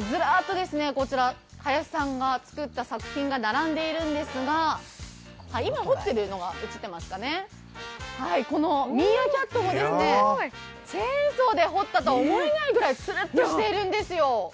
ずらっと林さんが作った作品が並んでいるんですがこのミーアキャットも、チェーンソーで彫ったとは思えないぐらいつるっとしているんですよ。